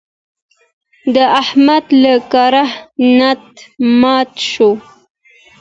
د احمد له کاره ناټ مات شو.